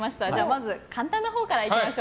まず、簡単なほうから。